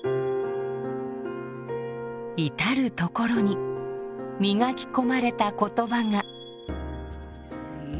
至る所に磨き込まれた言葉が。